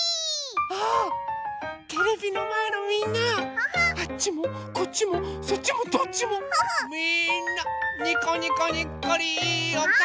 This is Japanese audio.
あテレビのまえのみんなあっちもこっちもそっちもどっちもみんなにこにこにっこりいいおかお。